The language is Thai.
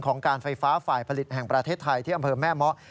การไฟฟ้าฝ่ายผลิตแห่งประเทศไทยที่อำเภอแม่เมาะ